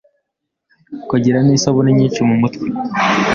ukagira n’isabune nyinshi mumutwe